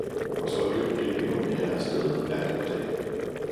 og så løb det endnu mere af sted, nat og dag.